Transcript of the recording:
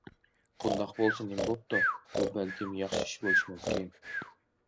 بۇنداق بولسا نېمە بوپتۇ؟ بۇ بەلكىم ياخشى ئىش بولۇشى مۇمكىن.